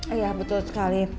iya betul sekali